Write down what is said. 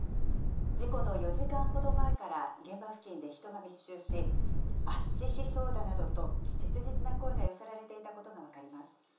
事故の４時間ほど前から現場付近で人が密集し、圧死しそうだなどと、切実な声が寄せられていたことが分かります。